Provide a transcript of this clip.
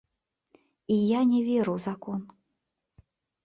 І я не веру у закон.